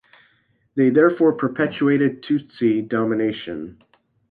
They therefore perpetuated Tutsi domination.